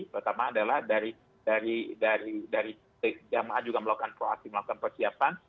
pertama adalah dari jemaah juga melakukan proaksi melakukan persiapan